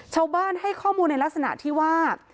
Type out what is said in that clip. ชาวบ้านให้ข้อมูลในลักษณะที่ว่า